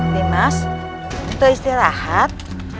dimas itu istirahat